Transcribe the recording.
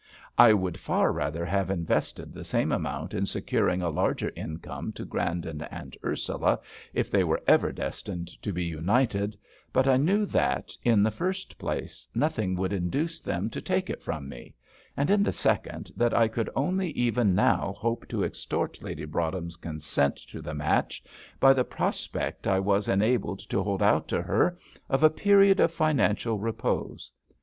I would far rather have invested the same amount in securing a larger income to Grandon and Ursula, if they were ever destined to be united; but I knew that, in the first place, nothing would induce them to take it from me; and in the second, that I could only even now hope to extort Lady Broadhem's consent to the match by the prospect I was enabled to hold out to her of a period of financial repose.